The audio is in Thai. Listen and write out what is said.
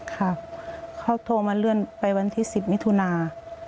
ค่ะเขาโทรมาเลื่อนไปวันที่๑๐มิถุนา